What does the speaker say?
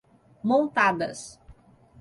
Montadas